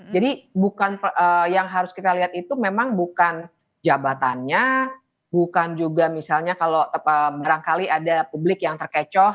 jadi yang harus kita lihat itu memang bukan jabatannya bukan juga misalnya kalau barangkali ada publik yang terkecoh